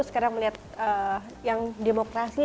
sekarang melihat yang demokrasi